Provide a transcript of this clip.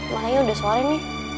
makanya udah suarin ya